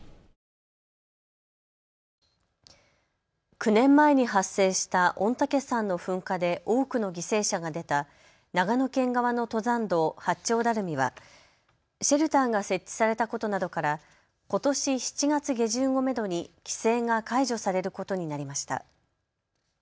９年前に発生した御嶽山の噴火で多くの犠牲者が出た長野県側の登山道、八丁ダルミはシェルターが設置されたことなどからことし７月下旬をめどに規制が解除されることになりました。